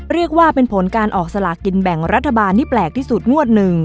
เรียกว่าเป็นผลการออกสลากินแบ่งรัฐบาลที่แปลกที่สุดงวดหนึ่ง